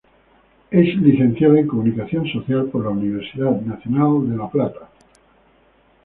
Es Licenciada en Comunicación Social por la Universidad Nacional de La Plata.